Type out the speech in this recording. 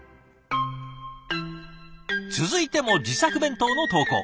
続いても自作弁当の投稿。